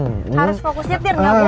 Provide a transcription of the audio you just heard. harus fokusnya tir